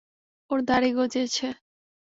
ওর দাড়ি গজিয়েছে।